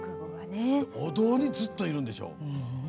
お堂にずっと、いるんでしょ。